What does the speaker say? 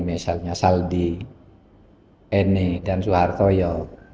misalnya saldi ene dan soehartojo